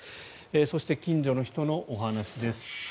そして、近所の人のお話です。